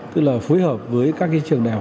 tức là phối hợp với các trường đại học